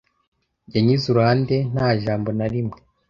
Yanyuze iruhande nta jambo na rimwe.